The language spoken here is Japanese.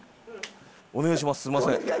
「お願いします」。